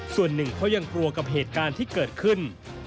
ส่วนหนึ่งเขายังกลัวกับเหตุการณ์ที่เกิดขึ้น